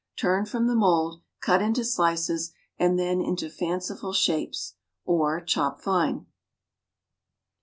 Turn from the mould, cut into slices, and then into fanciful shapes; or chop fine.